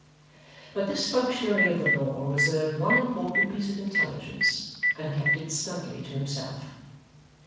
But this functionary of the law reserved one important piece of intelligence, and kept it snugly to himself.